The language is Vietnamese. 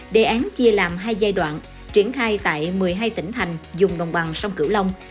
đề án chia làm hai giai đoạn triển khai tại một mươi hai tỉnh thành dùng đồng bằng sông cửu long